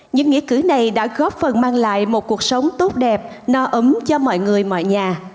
những nghĩa cử này đã góp phần mang lại một cuộc sống tốt đẹp no ấm cho mọi người mọi nhà